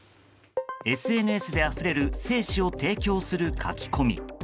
ＳＮＳであふれる精子を提供する書き込み。